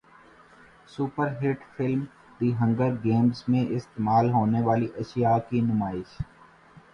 super hit film the Hunger Games میں استعمال ہونیوالی اشیاء کی نمائش